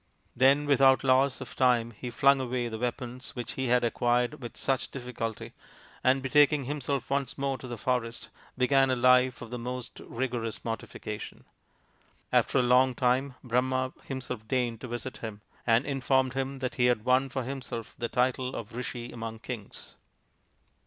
Then without loss of time he flung away the weapons which he had acquired with such difficulty, and, betaking himself once more to the forest, began a life of the most rigorous mortification. After a long time Brahma himself deigned to visit him, and informed him that he had won for himself the title of Rishi among Kings.